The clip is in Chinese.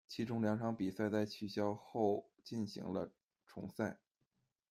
其中两场比赛在取消后进行了重赛。